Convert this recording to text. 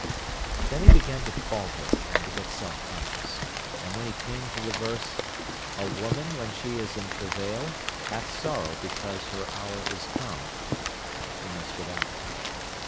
Then he began to falter and to get self conscious. And when he came to the verse, "A woman, when she is in travail, hath sorrow because her hour is come", he missed it out.